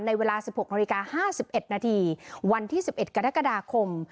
เวลา๑๖นาฬิกา๕๑นาทีวันที่๑๑กรกฎาคม